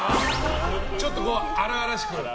ちょっと荒々しく。